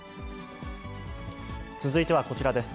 続いてはこちらです。